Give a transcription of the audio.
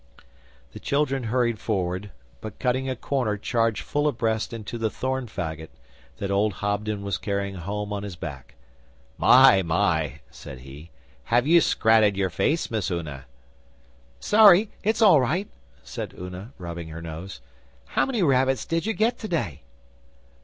The children hurried forward, but cutting a corner charged full abreast into the thorn faggot that old Hobden was carrying home on his back. 'My! My!' said he. 'Have you scratted your face, Miss Una?' 'Sorry! It's all right,' said Una, rubbing her nose. 'How many rabbits did you get today?